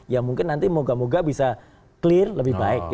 ya mungkin nanti moga moga bisa clear lebih baik